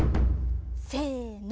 せの。